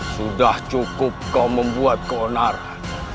sudah cukup kau membuat keonaran